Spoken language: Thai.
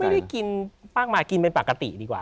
ไม่ได้กินฟากมากินเป็นปกติดีกว่า